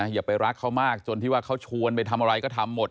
อย่าไปรักเขามากจนที่ว่าเขาชวนไปทำอะไรก็ทำหมด